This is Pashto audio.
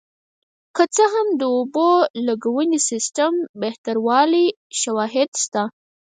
که څه هم د اوبو لګونې سیستم بهتروالی شواهد شته